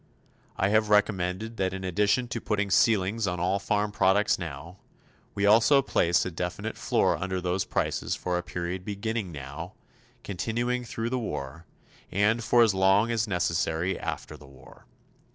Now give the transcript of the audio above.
I have recommended that in addition to putting ceilings on all farm products now, we also place a definite floor under those prices for a period beginning now, continuing through the war, and for as long as necessary after the war.